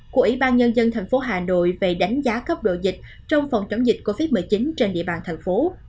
của ủy ban nhân dân thành phố hà nội về đánh giá cấp độ dịch trong phòng chống dịch covid một mươi chín trên địa bàn thành phố